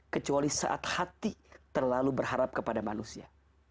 kecuali saat hati terlalu berharap kepada manusia